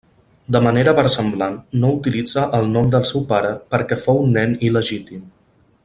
De manera versemblant, no utilitza el nom del seu pare perquè fou un nen il·legítim.